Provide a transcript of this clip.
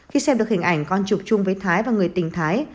khi xem được hình ảnh con chụp chung với thái và người tình thái